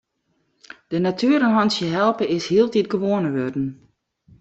De natuer in hantsje helpe is hieltyd gewoaner wurden.